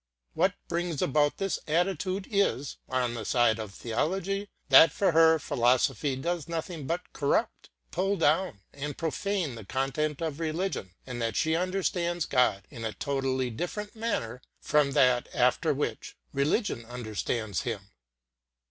What brings about this attitude is, on the side of theology, that for her philosophy does nothing but corrupt, pull down, and profane the content of religion, and that she understands God in a totally different manner from that after which religion understands Him.